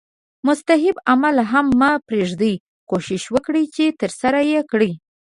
مستحب عمل هم مه پریږده کوښښ وکړه چې ترسره یې کړې